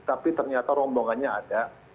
tapi ternyata rombongannya ada